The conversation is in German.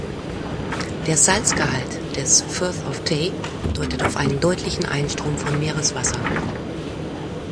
Der Salzgehalt des "Firth of Tay" deutet auf einen deutlichen Einstrom von Meereswasser.